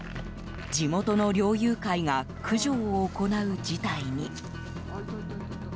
地元の猟友会が駆除を行う事態に。